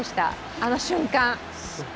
あの瞬間！